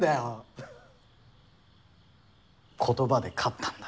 言葉で勝ったんだ。